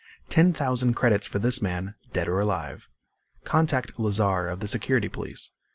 "Ten thousand credits for this man, dead or alive. Contact Lazar of the Security Police.